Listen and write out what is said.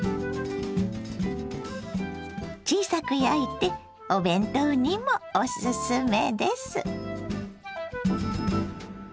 小さく焼いてお弁当にもおすすめです。